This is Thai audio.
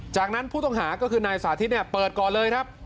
จากนั้นผู้ต้องหาก็คือนายสาธิตเปิดก่อนเลยครับ